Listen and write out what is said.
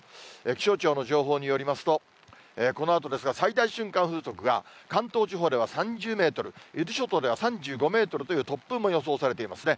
気象庁の情報によりますと、このあとですが、最大瞬間風速が関東地方では３０メートル、伊豆諸島では３５メートルという突風も予想されていますね。